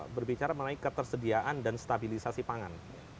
berbicara mengenai ketersediaan dan stabilisasi pangan